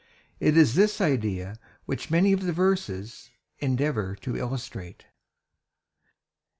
It is this idea which many of the verses endeavour to illustrate.